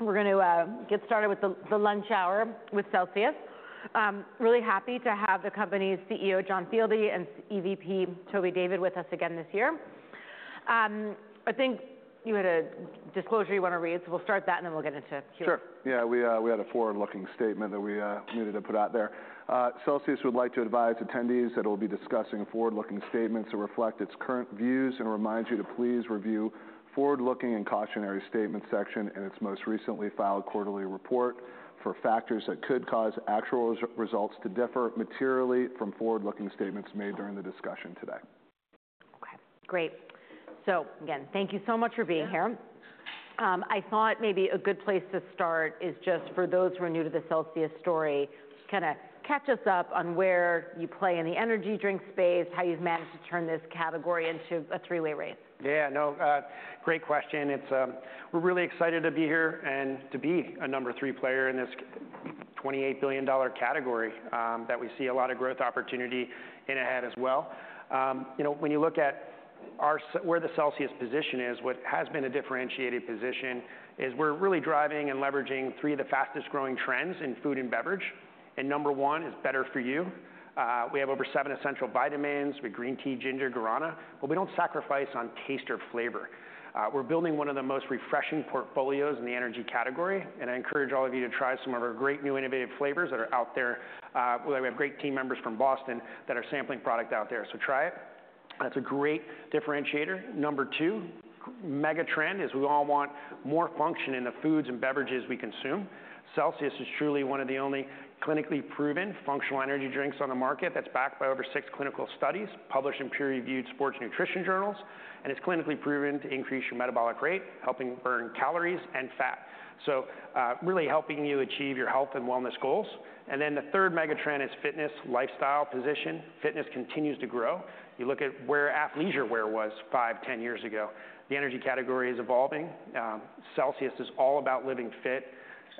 We're gonna get started with the lunch hour with Celsius. Really happy to have the company's CEO, John Fieldy, and EVP, Toby David, with us again this year. I think you had a disclosure you wanna read, so we'll start that, and then we'll get into it. Sure. Yeah, we had a forward-looking statement that we needed to put out there. Celsius would like to advise attendees that it'll be discussing forward-looking statements that reflect its current views and remind you to please review forward-looking and cautionary statement section in its most recently filed quarterly report for factors that could cause actual results to differ materially from forward-looking statements made during the discussion today. Okay, great. So again, thank you so much for being here. Yeah. I thought maybe a good place to start is just for those who are new to the Celsius story, kinda catch us up on where you play in the energy drink space, how you've managed to turn this category into a three-way race. Yeah, no, great question. It's. We're really excited to be here and to be a number three player in this $28 billion category that we see a lot of growth opportunity in ahead as well. You know, when you look at where the Celsius position is, what has been a differentiated position, is we're really driving and leveraging three of the fastest growing trends in food and beverage, and number one is better for you. We have over seven essential vitamins with green tea, ginger, guarana, but we don't sacrifice on taste or flavor. We're building one of the most refreshing portfolios in the energy category, and I encourage all of you to try some of our great new innovative flavors that are out there. We have great team members from Boston that are sampling product out there, so try it. That's a great differentiator. Number two, mega trend is we all want more function in the foods and beverages we consume. Celsius is truly one of the only clinically proven functional energy drinks on the market that's backed by over six clinical studies, published in peer-reviewed sports nutrition journals, and it's clinically proven to increase your metabolic rate, helping burn calories and fat, so, really helping you achieve your health and wellness goals. And then the third mega trend is fitness, lifestyle, position. Fitness continues to grow. You look at where athleisure wear was five, ten years ago. The energy category is evolving. Celsius is all about living fit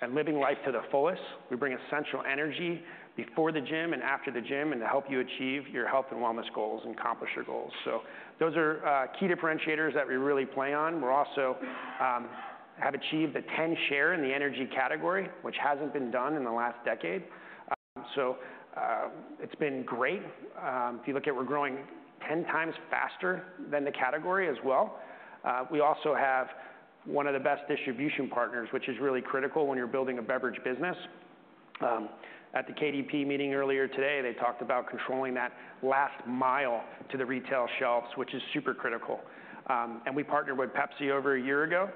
and living life to the fullest. We bring essential energy before the gym and after the gym, and to help you achieve your health and wellness goals and accomplish your goals. So those are key differentiators that we really play on. We also have achieved a 10% share in the energy category, which hasn't been done in the last decade. So it's been great. If you look at, we're growing 10 times faster than the category as well. We also have one of the best distribution partners, which is really critical when you're building a beverage business. At the KDP meeting earlier today, they talked about controlling that last mile to the retail shelves, which is super critical. And we partnered with Pepsi over a year ago.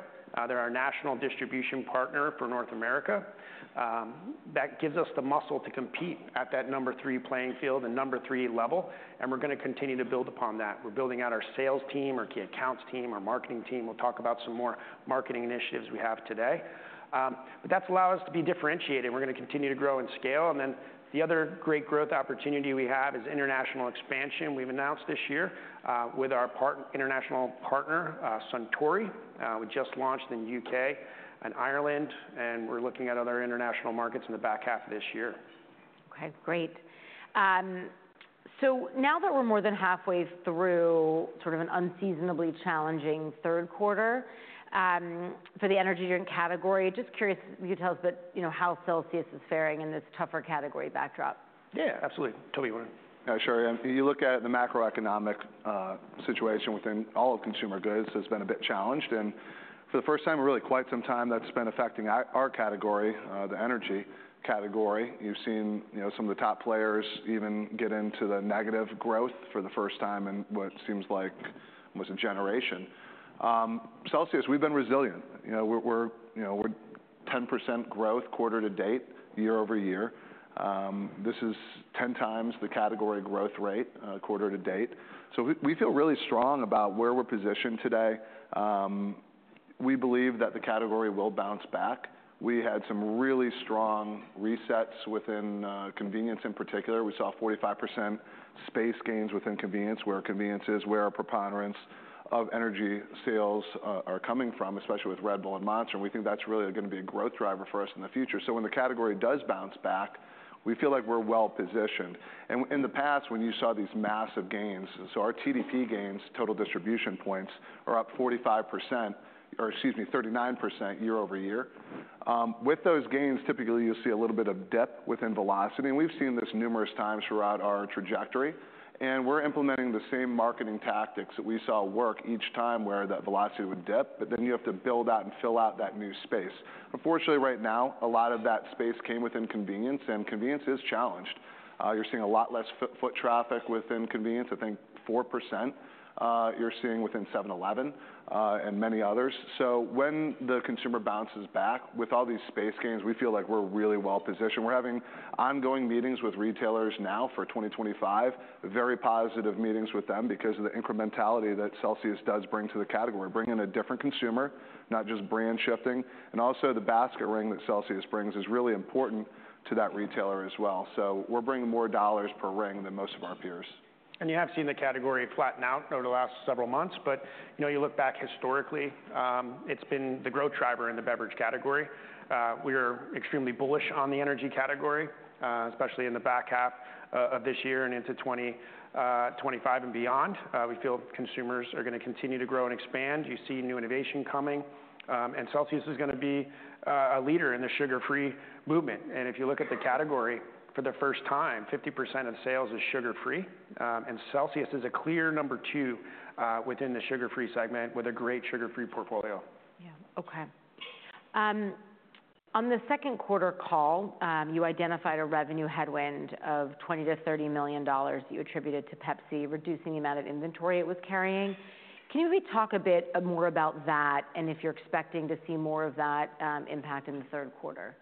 They're our national distribution partner for North America. That gives us the muscle to compete at that number three playing field and number three level, and we're gonna continue to build upon that. We're building out our sales team, our key accounts team, our marketing team. We'll talk about some more marketing initiatives we have today. But that's allowed us to be differentiated, and we're gonna continue to grow and scale. And then the other great growth opportunity we have is international expansion. We've announced this year, with our international partner, Suntory. We just launched in U.K. and Ireland, and we're looking at other international markets in the back half of this year. Okay, great. So now that we're more than halfway through sort of an unseasonably challenging third quarter, for the energy drink category, just curious if you could tell us a bit, you know, how Celsius is faring in this tougher category backdrop? Yeah, absolutely. Toby, you wanna? Yeah, sure. If you look at the macroeconomic situation within all of consumer goods, has been a bit challenged, and for the first time in really quite some time, that's been affecting our category, the energy category. You've seen, you know, some of the top players even get into the negative growth for the first time in what seems like was a generation. Celsius, we've been resilient. You know, we're 10% growth quarter to date, year over year. This is ten times the category growth rate, quarter to date. So we feel really strong about where we're positioned today. We believe that the category will bounce back. We had some really strong resets within convenience in particular. We saw 45% space gains within convenience, where convenience is where our preponderance of energy sales are coming from, especially with Red Bull and Monster, and we think that's really gonna be a growth driver for us in the future. So when the category does bounce back, we feel like we're well positioned. And in the past, when you saw these massive gains, so our TDP gains, total distribution points, are up 45%, or excuse me, 39% year over year. With those gains, typically, you'll see a little bit of depth within velocity, and we've seen this numerous times throughout our trajectory, and we're implementing the same marketing tactics that we saw work each time where that velocity would dip, but then you have to build out and fill out that new space. Unfortunately, right now, a lot of that space came within convenience, and convenience is challenged. You're seeing a lot less foot traffic within convenience. I think 4%, you're seeing within 7-Eleven, and many others. So when the consumer bounces back with all these space gains, we feel like we're really well positioned. We're having ongoing meetings with retailers now for twenty twenty-five. Very positive meetings with them because of the incrementality that Celsius does bring to the category. We're bringing a different consumer, not just brand shifting, and also the basket ring that Celsius brings is really important to that retailer as well. So we're bringing more dollars per ring than most of our peers. And you have seen the category flatten out over the last several months, but, you know, you look back historically, it's been the growth driver in the beverage category. We are extremely bullish on the energy category, especially in the back half of this year and into 2025 and beyond. We feel consumers are gonna continue to grow and expand. You see new innovation coming, and Celsius is gonna be a leader in the sugar-free movement. And if you look at the category, for the first time, 50% of sales is sugar-free, and Celsius is a clear number two within the sugar-free segment with a great sugar-free portfolio. Yeah. Okay. On the second quarter call, you identified a revenue headwind of $20-$30 million you attributed to Pepsi reducing the amount of inventory it was carrying. Can you maybe talk a bit more about that, and if you're expecting to see more of that impact in the third quarter?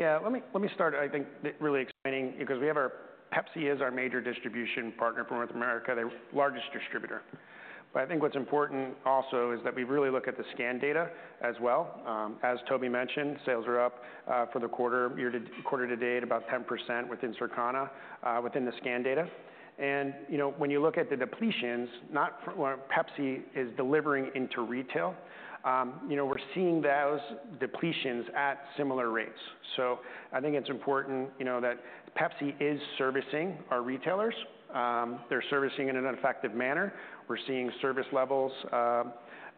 Yeah, let me start. I think really explaining. Because we have our-- Pepsi is our major distribution partner for North America, the largest distributor. But I think what's important also is that we really look at the scan data as well. As Toby mentioned, sales are up for the quarter, quarter to date, about 10% within Circana, within the scan data. And, you know, when you look at the depletions, well, Pepsi is delivering into retail, you know, we're seeing those depletions at similar rates. So I think it's important, you know, that Pepsi is servicing our retailers. They're servicing in an effective manner. We're seeing service levels,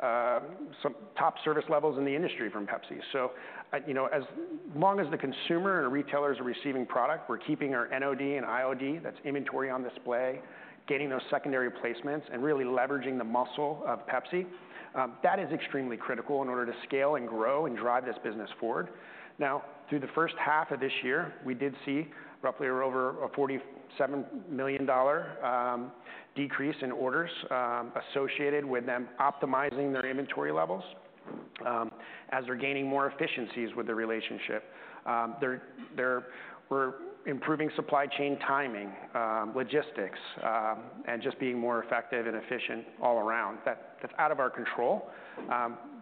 some top service levels in the industry from Pepsi. So, you know, as long as the consumer and the retailers are receiving product, we're keeping our POD and IOD, that's inventory on display, getting those secondary placements, and really leveraging the muscle of Pepsi. That is extremely critical in order to scale and grow and drive this business forward. Now, through the first half of this year, we did see roughly or over a $47 million decrease in orders associated with them optimizing their inventory levels. As they're gaining more efficiencies with the relationship, they're improving supply chain timing, logistics, and just being more effective and efficient all around. That's out of our control,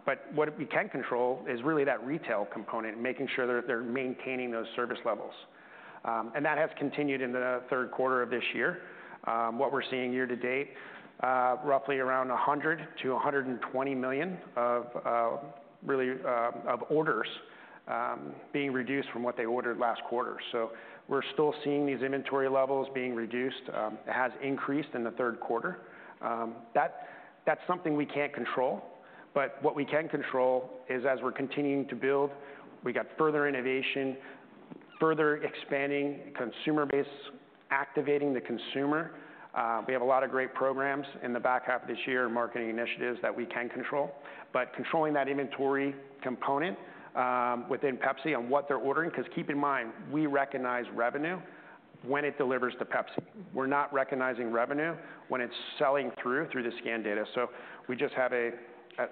but what we can control is really that retail component, making sure that they're maintaining those service levels. And that has continued in the third quarter of this year. What we're seeing year to date, roughly around $100-$120 million of orders being reduced from what they ordered last quarter, so we're still seeing these inventory levels being reduced. It has increased in the third quarter. That's something we can't control, but what we can control is, as we're continuing to build, we got further innovation, further expanding consumer base, activating the consumer. We have a lot of great programs in the back half of this year, marketing initiatives that we can control. But controlling that inventory component within Pepsi on what they're ordering, because keep in mind, we recognize revenue when it delivers to Pepsi. We're not recognizing revenue when it's selling through the scan data, so we just have a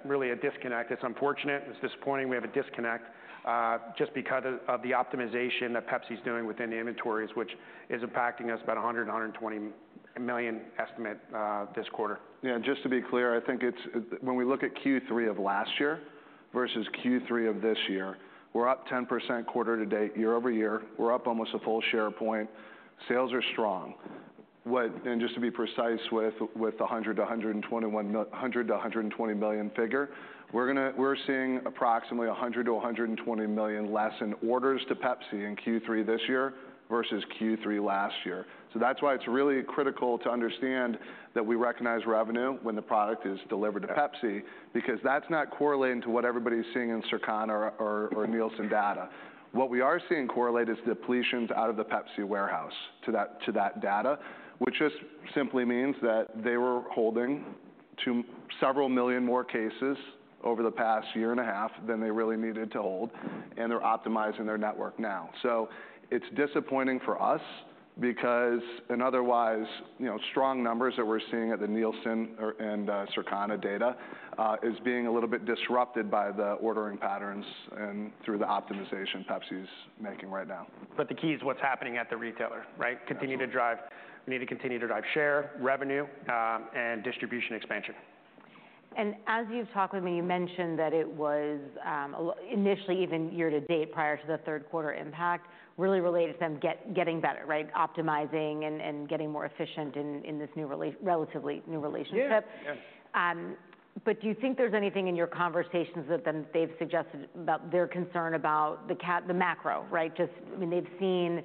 really a disconnect. It's unfortunate, it's disappointing, we have a disconnect just because of the optimization that Pepsi is doing within the inventories, which is impacting us about $120 million estimate this quarter. Yeah, just to be clear, I think it's when we look at Q3 of last year versus Q3 of this year, we're up 10% quarter to date, year over year. We're up almost a full share point. Sales are strong. And just to be precise with the $100-$120 million figure, we're seeing approximately $100-$120 million less in orders to Pepsi in Q3 this year versus Q3 last year. So that's why it's really critical to understand that we recognize revenue when the product is delivered to Pepsi, because that's not correlating to what everybody's seeing in Circana or Nielsen data. What we are seeing correlate is depletions out of the Pepsi warehouse to that, to that data, which just simply means that they were holding to several million more cases over the past year and a half than they really needed to hold, and they're optimizing their network now. So it's disappointing for us because an otherwise, you know, strong numbers that we're seeing at the Nielsen and Circana data is being a little bit disrupted by the ordering patterns and through the optimization Pepsi is making right now. But the key is what's happening at the retailer, right? Absolutely. Continue to drive. We need to continue to drive share, revenue, and distribution expansion. And as you've talked with me, you mentioned that it was a low initially, even year to date, prior to the third quarter impact, really related to them getting better, right? Optimizing and getting more efficient in this relatively new relationship. Yeah. Yeah. But do you think there's anything in your conversations with them they've suggested about their concern about the macro, right? Just... I mean, they've seen,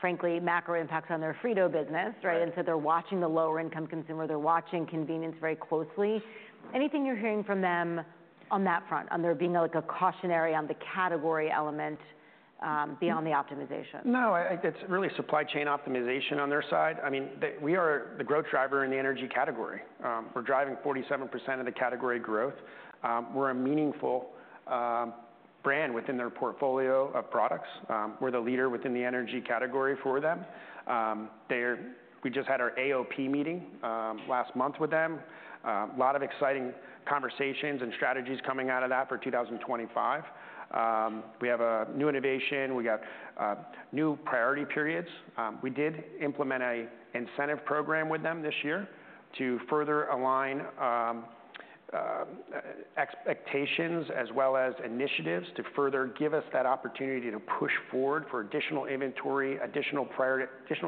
frankly, macro impacts on their Frito business, right? Right. And so they're watching the lower-income consumer, they're watching convenience very closely. Anything you're hearing from them on that front, on there being, like, a cautionary on the category element, beyond the optimization? No, I think it's really supply chain optimization on their side. I mean, we are the growth driver in the energy category. We're driving 47% of the category growth. We're a meaningful brand within their portfolio of products. We're the leader within the energy category for them. We just had our AOP meeting last month with them. A lot of exciting conversations and strategies coming out of that for 2025. We have a new innovation. We got new priority periods. We did implement a incentive program with them this year to further align expectations as well as initiatives to further give us that opportunity to push forward for additional inventory, additional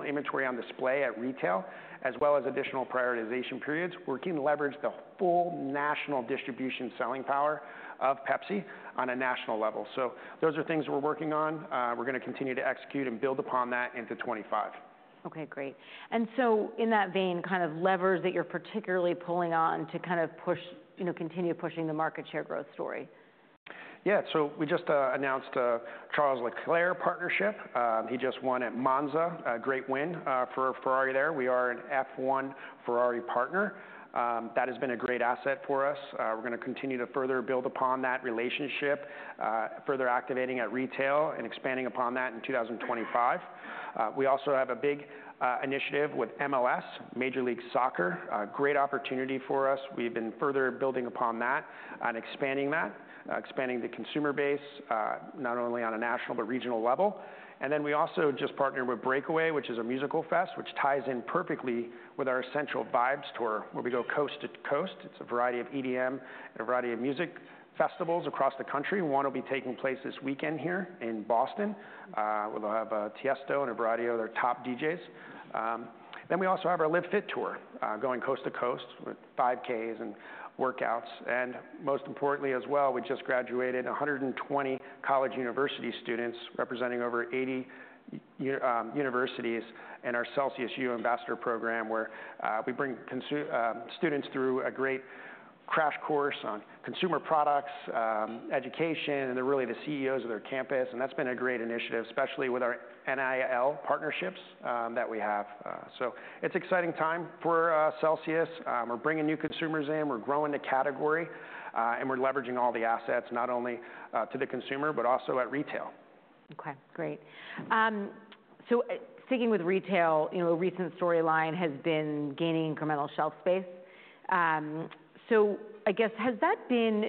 inventory on display at retail, as well as additional prioritization periods. We're looking to leverage the full national distribution selling power of Pepsi on a national level. So those are things we're working on. We're gonna continue to execute and build upon that into 2025. Okay, great. And so in that vein, kind of levers that you're particularly pulling on to kind of push, you know, continue pushing the market share growth story. Yeah, so we just announced a Charles Leclerc partnership. He just won at Monza, a great win for Ferrari there. We are an F1 Ferrari partner. That has been a great asset for us. We're gonna continue to further build upon that relationship, further activating at retail and expanding upon that in 2025. We also have a big initiative with MLS, Major League Soccer, a great opportunity for us. We've been further building upon that and expanding that, expanding the consumer base, not only on a national but regional level. And then we also just partnered with Breakaway, which is a musical fest, which ties in perfectly with our Essential Vibes Tour, where we go coast to coast. It's a variety of EDM and a variety of music festivals across the country. One will be taking place this weekend here in Boston. We'll have Tiësto and a variety of other top DJs. Then we also have our Live Fit Tour going coast to coast with 5Ks and workouts. And most importantly as well, we just graduated a hundred and 20 college university students, representing over 80 universities in our Celsius U Ambassador Program, where we bring students through a great crash course on consumer products education, and they're really the CEOs of their campus, and that's been a great initiative, especially with our NIL partnerships that we have. So it's exciting time for us, Celsius. We're bringing new consumers in, we're growing the category, and we're leveraging all the assets, not only to the consumer, but also at retail. Okay, great. So, sticking with retail, you know, recent storyline has been gaining incremental shelf space. So I guess, has that been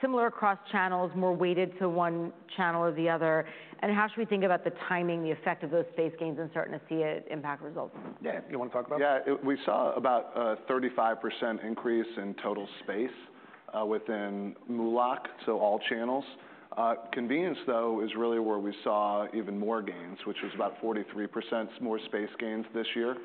similar across channels, more weighted to one channel or the other? And how should we think about the timing, the effect of those space gains and starting to see it impact results? Yeah, you wanna talk about it? Yeah, it, we saw about a 35% increase in total space within MULO+C, so all channels. Convenience, though, is really where we saw even more gains, which was about 43% more space gains this year.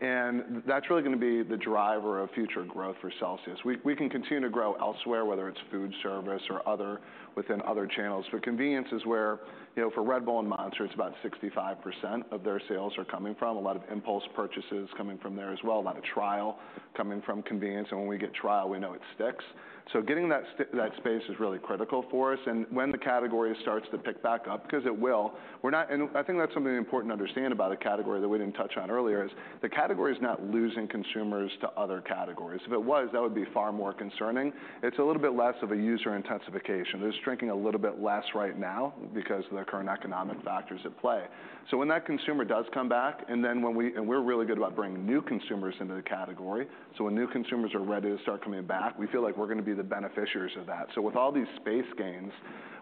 And that's really gonna be the driver of future growth for Celsius. We can continue to grow elsewhere, whether it's food service or other, within other channels. But convenience is where, you know, for Red Bull and Monster, it's about 65% of their sales are coming from. A lot of impulse purchases coming from there as well, a lot of trial coming from convenience, and when we get trial, we know it sticks. So getting that space is really critical for us. And when the category starts to pick back up, because it will, we're not... I think that's something important to understand about a category that we didn't touch on earlier, is the category is not losing consumers to other categories. If it was, that would be far more concerning. It's a little bit less of a user intensification. They're just drinking a little bit less right now because of the current economic factors at play. So when that consumer does come back, and we're really good about bringing new consumers into the category So when new consumers are ready to start coming back, we feel like we're gonna be the beneficiaries of that. So with all these space gains,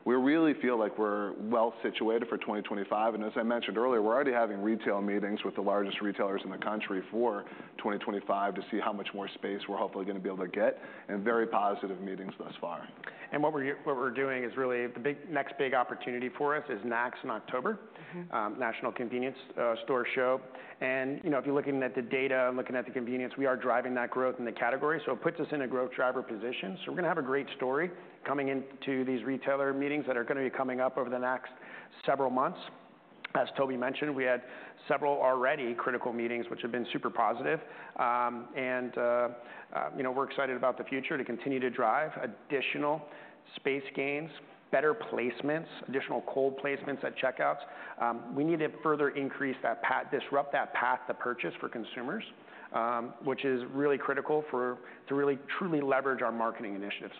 we really feel like we're well situated for 2025, and as I mentioned earlier, we're already having retail meetings with the largest retailers in the country for 2025 to see how much more space we're hopefully gonna be able to get, and very positive meetings thus far. What we're doing is really the next big opportunity for us is NACS in October. National Convenience Store Show. And, you know, if you're looking at the data and looking at the convenience, we are driving that growth in the category, so it puts us in a growth driver position. So we're gonna have a great story coming into these retailer meetings that are gonna be coming up over the next several months. As Toby mentioned, we had several already critical meetings, which have been super positive. And, you know, we're excited about the future, to continue to drive additional space gains, better placements, additional cold placements at checkouts. We need to further increase that path, disrupt that path to purchase for consumers, which is really critical for, to really, truly leverage our marketing initiatives.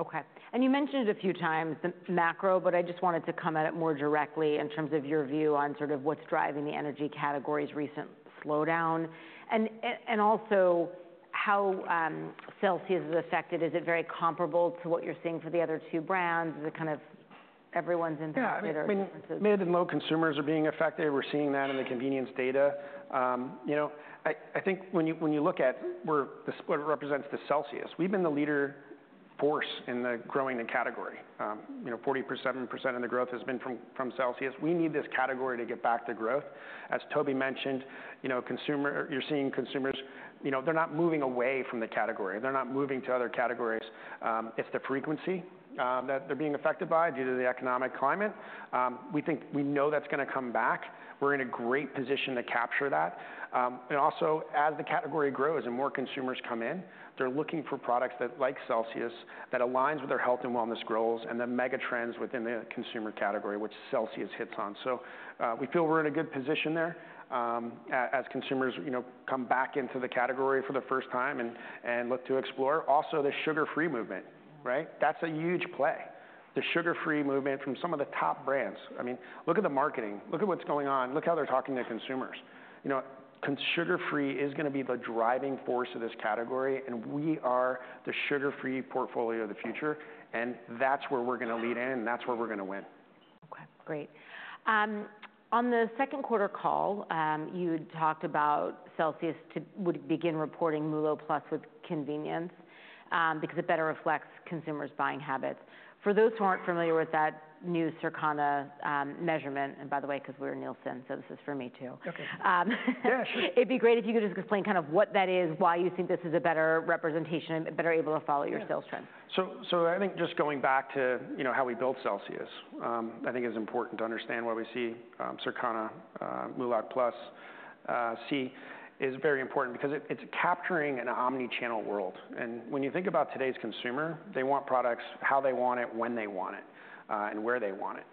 Okay. And you mentioned it a few times, the macro, but I just wanted to come at it more directly in terms of your view on sort of what's driving the energy category's recent slowdown. And, and also how Celsius is affected. Is it very comparable to what you're seeing for the other two brands? Is it kind of everyone's impacted or differences? Yeah, I mean, mid and low consumers are being affected. We're seeing that in the convenience data. You know, I think when you look at where the split represents the Celsius, we've been the leading force in growing the category. You know, 40% of the growth has been from Celsius. We need this category to get back to growth. As Toby mentioned, you know, consumers, you're seeing consumers, you know, they're not moving away from the category. They're not moving to other categories. It's the frequency that they're being affected by due to the economic climate. We think, we know that's gonna come back. We're in a great position to capture that. And also, as the category grows and more consumers come in, they're looking for products that, like Celsius, that aligns with their health and wellness goals, and the mega trends within the consumer category, which Celsius hits on. So, we feel we're in a good position there, as consumers, you know, come back into the category for the first time and look to explore. Also, the sugar-free movement, right? That's a huge play. The sugar-free movement from some of the top brands. I mean, look at the marketing, look at what's going on, look how they're talking to consumers. You know, sugar-free is gonna be the driving force of this category, and we are the sugar-free portfolio of the future, and that's where we're gonna lead in, and that's where we're gonna win. Great. On the second quarter call, you talked about Celsius too would begin reporting MULO+ with convenience, because it better reflects consumers' buying habits. For those who aren't familiar with that new Circana measurement, and by the way, because we're Nielsen, so this is for me, too. Okay. Yeah, sure. It'd be great if you could just explain kind of what that is, why you think this is a better representation and better able to follow your sales trend. So I think just going back to, you know, how we built Celsius, I think it's important to understand why we see Circana MULO+ is very important because it, it's capturing an omni-channel world. And when you think about today's consumer, they want products, how they want it, when they want it, and where they want it.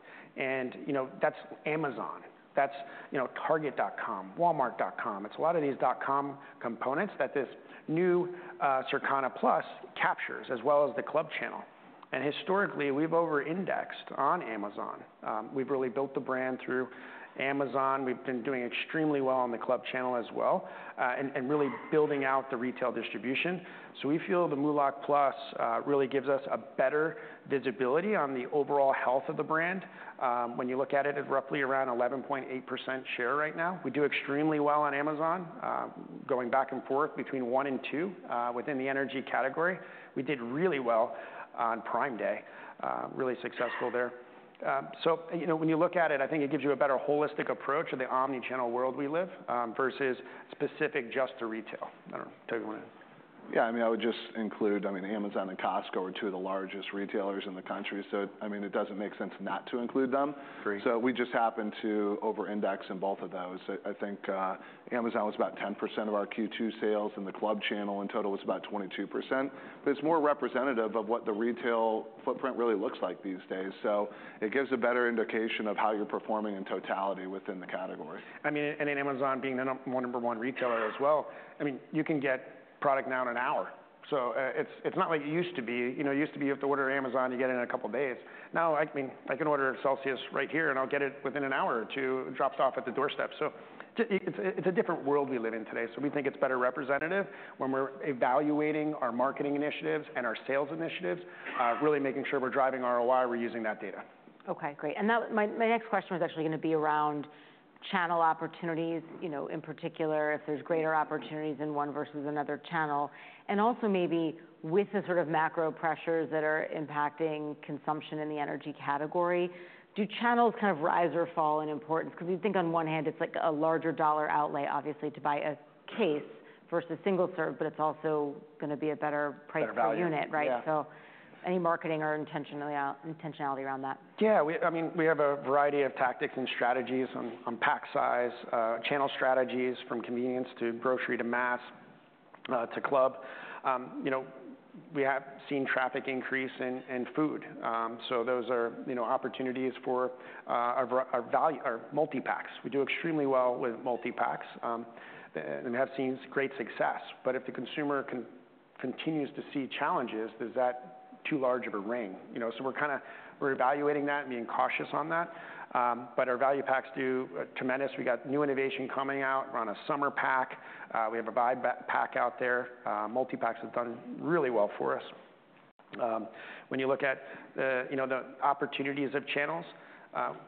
And, you know, that's Amazon. That's, you know, Target.com, Walmart.com. It's a lot of these .com components that this new Circana Plus captures, as well as the club channel. And historically, we've over-indexed on Amazon. We've really built the brand through Amazon. We've been doing extremely well on the club channel as well, and really building out the retail distribution. So we feel the MULO+ really gives us a better visibility on the overall health of the brand. When you look at it, at roughly around 11.8% share right now, we do extremely well on Amazon, going back and forth between one and two, within the energy category. We did really well on Prime Day, really successful there, so you know, when you look at it, I think it gives you a better holistic approach of the omni-channel world we live, versus specific just to retail. I don't know. Toby, go ahead. Yeah, I mean, I would just include. I mean, Amazon and Costco are two of the largest retailers in the country, so, I mean, it doesn't make sense not to include them. Agreed. So we just happen to over-index in both of those. I think Amazon was about 10% of our Q2 sales, and the club channel in total was about 22%. But it's more representative of what the retail footprint really looks like these days, so it gives a better indication of how you're performing in totality within the category. I mean, and Amazon being the number one retailer as well, I mean, you can get product now in an hour, so, it's not like it used to be. You know, it used to be, you have to order Amazon, you get it in a couple of days. Now, I mean, I can order a Celsius right here, and I'll get it within an hour or two, dropped off at the doorstep. So, it's a different world we live in today, so we think it's better representative when we're evaluating our marketing initiatives and our sales initiatives, really making sure we're driving ROI, we're using that data. Okay, great. Now my next question was actually gonna be around channel opportunities, you know, in particular, if there's greater opportunities in one versus another channel. And also maybe with the sort of macro pressures that are impacting consumption in the energy category, do channels kind of rise or fall in importance? Because you think on one hand, it's like a larger dollar outlay, obviously, to buy a case versus single serve, but it's also gonna be a better price- Better value per unit, right? Yeah. Any marketing or intentionality around that? Yeah, I mean, we have a variety of tactics and strategies on pack size, channel strategies, from convenience to grocery to mass, to club. You know, we have seen traffic increase in food, so those are, you know, opportunities for our value multi-packs. We do extremely well with multi-packs, and have seen great success. But if the consumer continues to see challenges, is that too large of a ring? You know, so we're kind of, we're evaluating that and being cautious on that. But our value packs do tremendous. We got new innovation coming out. We're on a summer pack. We have a vibe pack out there. Multi-packs have done really well for us. When you look at the, you know, the opportunities of channels,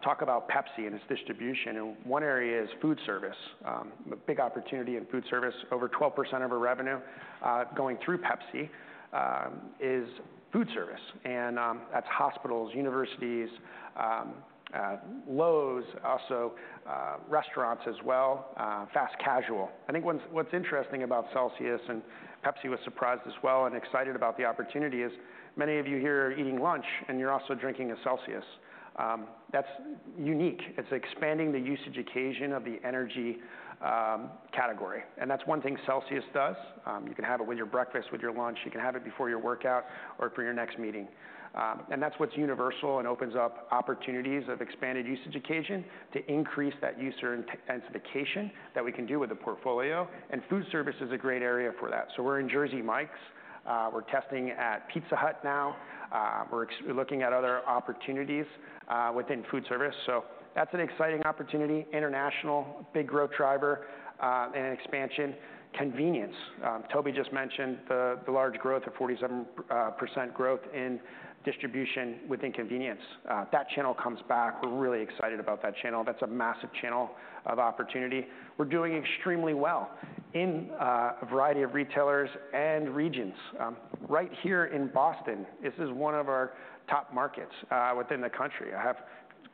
talk about Pepsi and its distribution, and one area is food service. A big opportunity in food service. Over 12% of our revenue going through Pepsi is food service, and that's hospitals, universities, Lowe's, also, restaurants as well, fast casual. I think what's interesting about Celsius and Pepsi was surprised as well, and excited about the opportunity is, many of you here are eating lunch, and you're also drinking a Celsius. That's unique. It's expanding the usage occasion of the energy category, and that's one thing Celsius does. You can have it with your breakfast, with your lunch, you can have it before your workout or for your next meeting. And that's what's universal and opens up opportunities of expanded usage occasion to increase that use or intensification that we can do with the portfolio, and food service is a great area for that. So we're in Jersey Mike's. We're testing at Pizza Hut now. We're looking at other opportunities within food service, so that's an exciting opportunity. International, big growth driver, and expansion, convenience. Toby just mentioned the large growth of 47% in distribution within convenience. That channel comes back. We're really excited about that channel. That's a massive channel of opportunity. We're doing extremely well in a variety of retailers and regions. Right here in Boston, this is one of our top markets within the country. I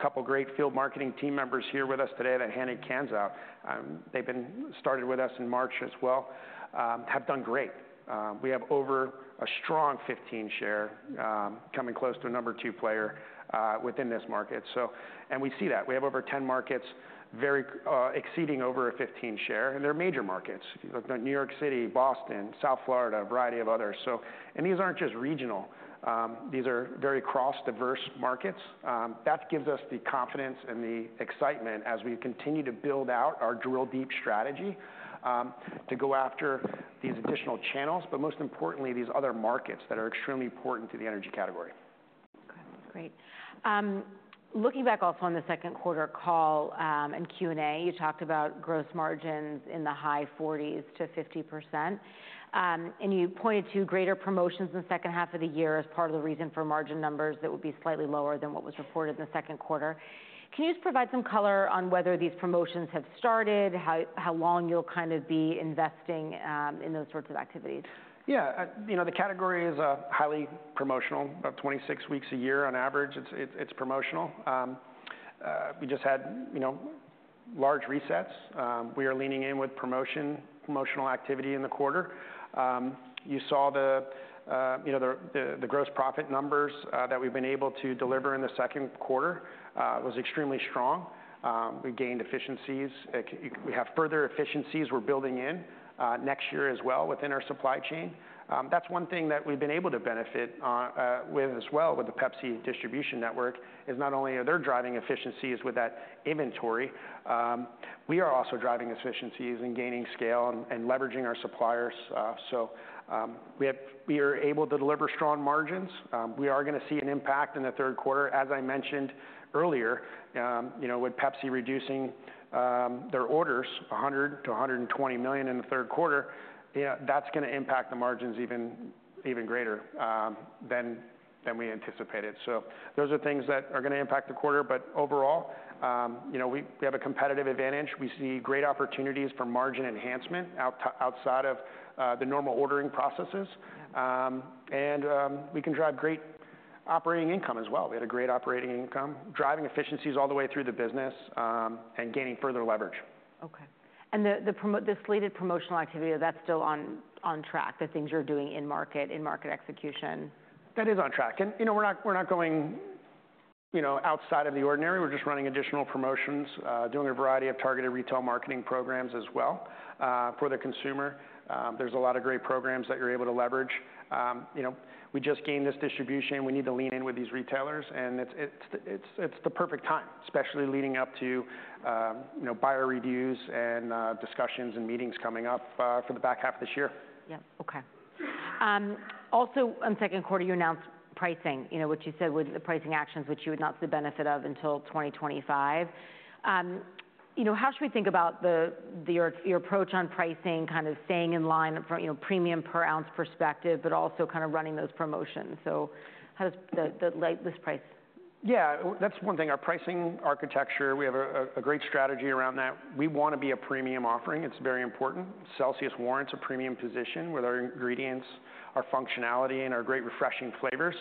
have a couple great field marketing team members here with us today that handed cans out. They started with us in March as well. They have done great. We have over a strong 15% share, coming close to a number two player within this market, so. We see that. We have over 10 markets very exceeding over a 15% share, and they're major markets. If you look at New York City, Boston, South Florida, a variety of others, so. These aren't just regional. These are very cross-diverse markets. That gives us the confidence and the excitement as we continue to build out our drill deep strategy to go after these additional channels, but most importantly, these other markets that are extremely important to the energy category. Great. Looking back also on the second quarter call, and Q&A, you talked about gross margins in the high 40s to 50%. And you pointed to greater promotions in the second half of the year as part of the reason for margin numbers that would be slightly lower than what was reported in the second quarter. Can you just provide some color on whether these promotions have started, how, how long you'll kind of be investing in those sorts of activities? Yeah. You know, the category is highly promotional, about 26 weeks a year on average, it's promotional. We just had, you know, large resets. We are leaning in with promotion, promotional activity in the quarter. You saw the, you know, the gross profit numbers that we've been able to deliver in the second quarter was extremely strong. We gained efficiencies. We have further efficiencies we're building in next year as well within our supply chain. That's one thing that we've been able to benefit on with as well with the Pepsi distribution network. Is not only are they driving efficiencies with that inventory, we are also driving efficiencies and gaining scale and leveraging our suppliers. So, we are able to deliver strong margins. We are gonna see an impact in the third quarter, as I mentioned earlier. You know, with Pepsi reducing their orders, $100-$120 million in the third quarter, yeah, that's gonna impact the margins even greater than we anticipated. So those are things that are gonna impact the quarter. But overall, you know, we have a competitive advantage. We see great opportunities for margin enhancement outside of the normal ordering processes. And we can drive great operating income as well. We had a great operating income, driving efficiencies all the way through the business, and gaining further leverage. Okay. And the slated promotional activity, that's still on track, the things you're doing in-market execution? That is on track. And, you know, we're not, we're not going, you know, outside of the ordinary, we're just running additional promotions, doing a variety of targeted retail marketing programs as well. For the consumer, there's a lot of great programs that you're able to leverage. You know, we just gained this distribution, we need to lean in with these retailers, and it's the perfect time, especially leading up to, you know, buyer reviews and discussions and meetings coming up, for the back half of this year. Yeah. Okay. Also, on second quarter, you announced pricing, you know, which you said was the pricing actions, which you would not see the benefit of until twenty twenty-five. You know, how should we think about the your approach on pricing, kind of staying in line from, you know, premium per ounce perspective, but also kind of running those promotions? So how does the this price- Yeah, that's one thing. Our pricing architecture, we have a great strategy around that. We want to be a premium offering. It's very important. Celsius warrants a premium position with our ingredients, our functionality, and our great refreshing flavors.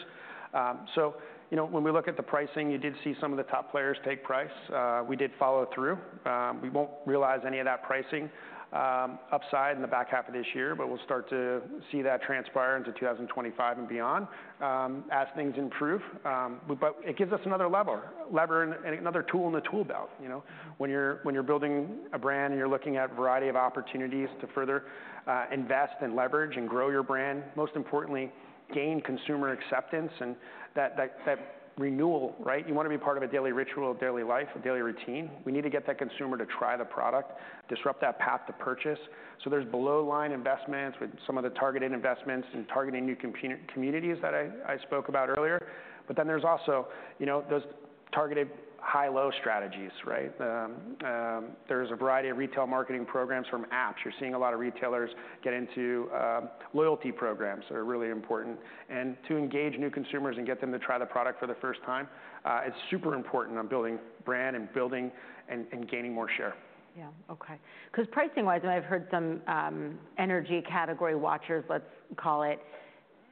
So, you know, when we look at the pricing, you did see some of the top players take price. We did follow through. We won't realize any of that pricing upside in the back half of this year, but we'll start to see that transpire into two thousand and twenty-five and beyond, as things improve. But it gives us another lever and another tool in the tool belt. You know, when you're building a brand and you're looking at a variety of opportunities to further invest and leverage and grow your brand, most importantly, gain consumer acceptance and that renewal, right? You want to be part of a daily ritual, a daily life, a daily routine. We need to get that consumer to try the product, disrupt that path to purchase. So there's below-line investments with some of the targeted investments and targeting new communities that I spoke about earlier. But then there's also, you know, those targeted high-low strategies, right? There's a variety of retail marketing programs from apps. You're seeing a lot of retailers get into loyalty programs that are really important. To engage new consumers and get them to try the product for the first time, it's super important on building brand and gaining more share. Yeah. Okay. 'Cause pricing-wise, and I've heard some energy category watchers, let's call it,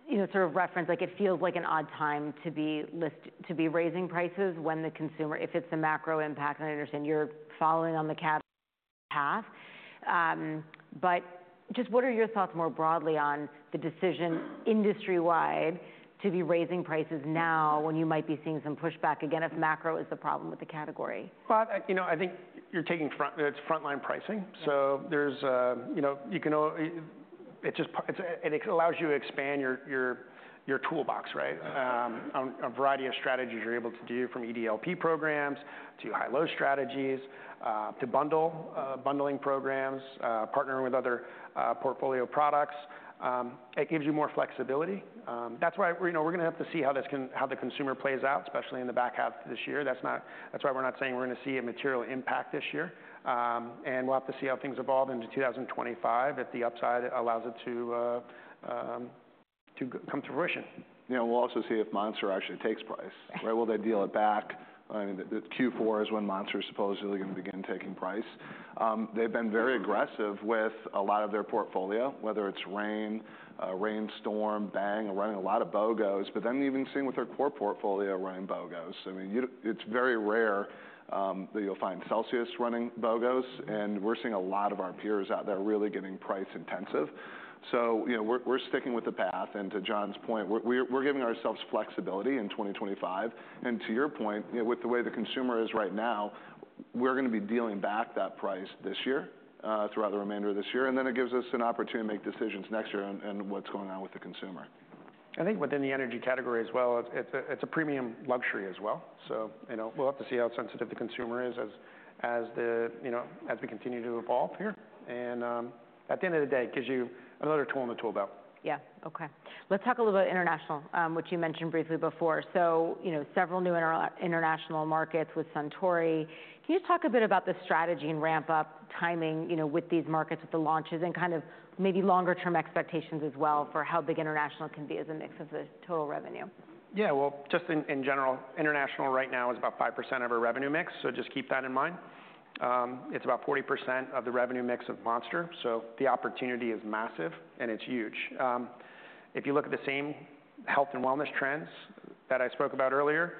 you know, sort of reference, like, it feels like an odd time to be raising prices when the consumer... If it's the macro impact, and I understand you're following on the cap path. But just what are your thoughts more broadly on the decision industry-wide to be raising prices now when you might be seeing some pushback again, if macro is the problem with the category? You know, I think you're taking front- it's frontline pricing. Yeah. There's, you know, it allows you to expand your toolbox, right? Yeah. A variety of strategies you're able to do, from EDLP programs, to high-low strategies, to bundling programs, partnering with other portfolio products. It gives you more flexibility. That's why, you know, we're gonna have to see how the consumer plays out, especially in the back half of this year. That's why we're not saying we're gonna see a material impact this year, and we'll have to see how things evolve into 2025, if the upside allows it to come to fruition. You know, we'll also see if Monster actually takes price. Right? Will they deal it back? I mean, the Q4 is when Monster is supposedly gonna begin taking price. They've been very aggressive- That's right With a lot of their portfolio, whether it's Reign, Reign Storm, Bang, or running a lot of BOGOs, but then even seeing with their core portfolio running BOGOs. I mean, it's very rare that you'll find Celsius running BOGOs, and we're seeing a lot of our peers out there really getting price intensive. So, you know, we're giving ourselves flexibility in twenty twenty-five. And to your point, you know, with the way the consumer is right now, we're gonna be dealing back that price this year throughout the remainder of this year, and then it gives us an opportunity to make decisions next year on what's going on with the consumer. I think within the energy category as well, it's a premium luxury as well. So, you know, we'll have to see how sensitive the consumer is, you know, as we continue to evolve here. And at the end of the day, it gives you another tool in the tool belt. Yeah. Okay. Let's talk a little about international, which you mentioned briefly before. So, you know, several new international markets with Suntory. Can you just talk a bit about the strategy and ramp up timing, you know, with these markets, with the launches, and kind of maybe longer term expectations as well for how big international can be as a mix of the total revenue? Yeah. Well, just in general, international right now is about 5% of our revenue mix, so just keep that in mind. It's about 40% of the revenue mix of Monster, so the opportunity is massive and it's huge. If you look at the same health and wellness trends that I spoke about earlier,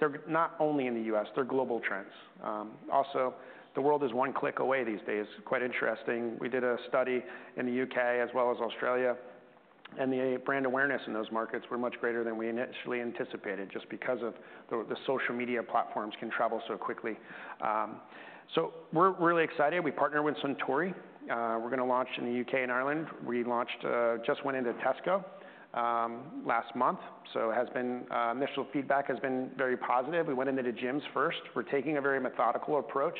they're not only in the U.S., they're global trends. Also, the world is one click away these days. Quite interesting. We did a study in the U.K. as well as Australia, and the brand awareness in those markets were much greater than we initially anticipated, just because of the social media platforms can travel so quickly. So we're really excited. We partnered with Suntory. We're gonna launch in the U.K. and Ireland. We launched just went into Tesco last month, so has been. Initial feedback has been very positive. We went into the gyms first. We're taking a very methodical approach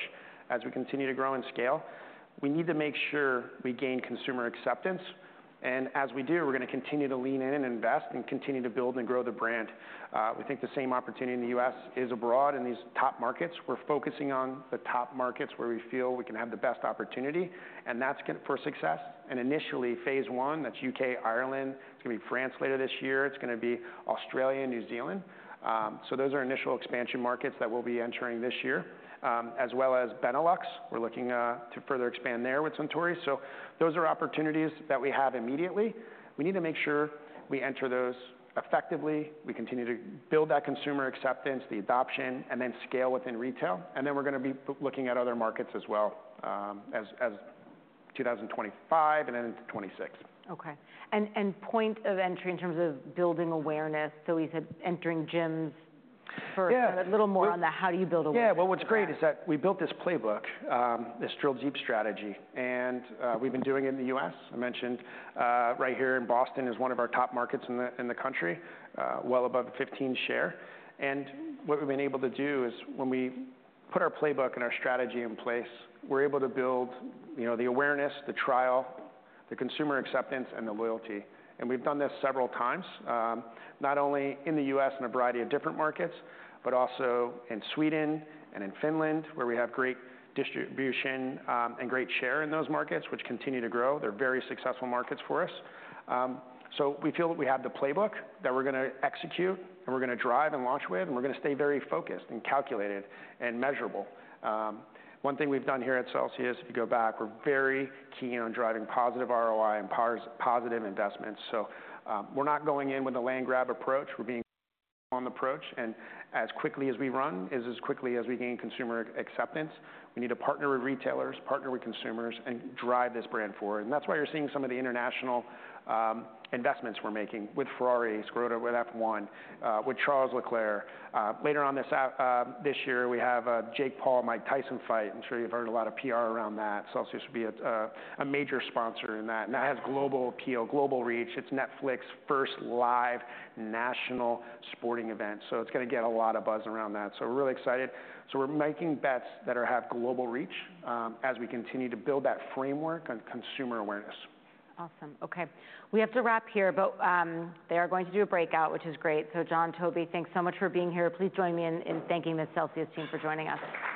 as we continue to grow and scale. We need to make sure we gain consumer acceptance, and as we do, we're gonna continue to lean in and invest and continue to build and grow the brand. We think the same opportunity in the US is abroad in these top markets. We're focusing on the top markets where we feel we can have the best opportunity, and that's good for success. Initially, phase one, that's UK, Ireland. It's gonna be France later this year. It's gonna be Australia and New Zealand. So those are initial expansion markets that we'll be entering this year, as well as Benelux. We're looking to further expand there with Suntory. Those are opportunities that we have immediately. We need to make sure we enter those effectively, we continue to build that consumer acceptance, the adoption, and then scale within retail. And then we're gonna be looking at other markets as well, as two thousand and twenty-five, and then into 2026. Okay. And point of entry in terms of building awareness, so you said entering gyms first. Yeah. A little more on how do you build awareness for that? Yeah. Well, what's great is that we built this playbook, this drill-down strategy, and we've been doing it in the U.S. I mentioned right here in Boston is one of our top markets in the country, well above 15% share. And what we've been able to do is when we put our playbook and our strategy in place, we're able to build, you know, the awareness, the trial, the consumer acceptance, and the loyalty. And we've done this several times, not only in the U.S. in a variety of different markets, but also in Sweden and in Finland, where we have great distribution and great share in those markets, which continue to grow. They're very successful markets for us. So we feel that we have the playbook that we're gonna execute, and we're gonna drive and launch with, and we're gonna stay very focused and calculated and measurable. One thing we've done here at Celsius, if you go back, we're very keen on driving positive ROI and positive investments. So, we're not going in with a land grab approach. We're being approach, and as quickly as we run is as quickly as we gain consumer acceptance. We need to partner with retailers, partner with consumers, and drive this brand forward, and that's why you're seeing some of the international investments we're making with Ferrari, Scuderia with F1, with Charles Leclerc. Later on this year, we have Jake Paul, Mike Tyson fight. I'm sure you've heard a lot of PR around that. Celsius will be a major sponsor in that, and that has global appeal, global reach. It's Netflix's first live national sporting event, so it's gonna get a lot of buzz around that, so we're really excited, so we're making bets that have global reach as we continue to build that framework on consumer awareness. Awesome. Okay. We have to wrap here, but they are going to do a breakout, which is great. So John, Toby, thanks so much for being here. Please join me in thanking the Celsius team for joining us. Thank you.